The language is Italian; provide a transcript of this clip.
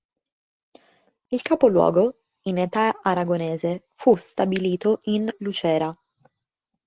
Il capoluogo, in età aragonese, fu stabilito in Lucera.